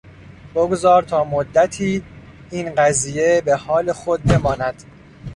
بگذار تا مدتی این قضیه به حال خود بماند.